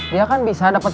dia kan bisa dapet